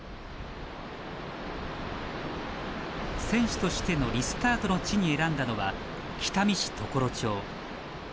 選手としてのリスタートの地に選んだのは北見市常呂町。